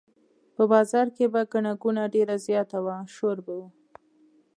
په بازار کې به ګڼه ګوڼه ډېره زیاته وه شور به و.